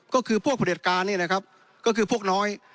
ก็คือพวกประเด็นการเนี่ยนะครับก็คือพวกน้อย